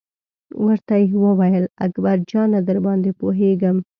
ورته یې وویل: اکبر جانه درباندې پوهېږم.